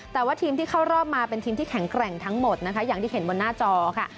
แต่ว่าทีมที่เข้ารอบมาเป็นทีมที่แข็งแกร่งทั้งหมดนะคะอย่างที่เห็นบนหน้าจอค่ะ